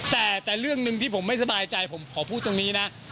แต่เรื่องหนึ่งที่ผมไม่สบายใจผมขอพูดตรงนี้นะ